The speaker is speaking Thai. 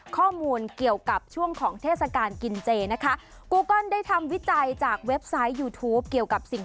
ข้อมูลเกี่ยวกับช่วงของเทศกาลกินเจนะคะ